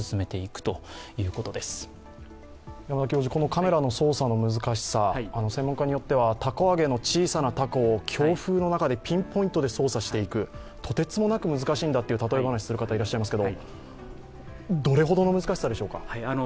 カメラの操作の難しさ、専門家によってはたこ揚げの小さなたこを強風の中でピンポイントで操作していくとてつもなく難しいんだと例え話する方いらっしゃいますけれどどれほどの難しさでしょうか？